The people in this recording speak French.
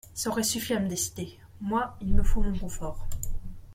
ça aurait suffi à me décider. Moi, il me faut mon confort.